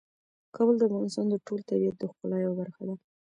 کابل د افغانستان د ټول طبیعت د ښکلا یوه برخه ده.